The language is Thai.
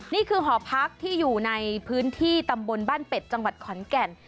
หอพักที่อยู่ในพื้นที่ตำบลบ้านเป็ดจังหวัดขอนแก่น